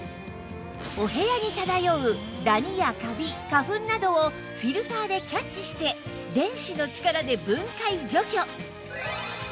お部屋に漂うダニやカビ花粉などをフィルターでキャッチして電子の力で分解除去！